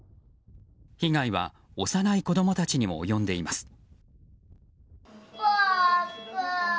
被害は幼い子供たちにも及んでいます。